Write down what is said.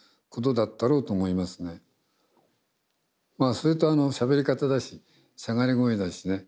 それとあのしゃべり方だししゃがれ声だしね。